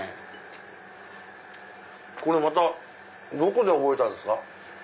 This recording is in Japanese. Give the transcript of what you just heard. これどこで覚えたんですか？